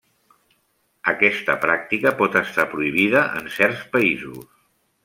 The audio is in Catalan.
Aquesta pràctica pot estar prohibida en certs països.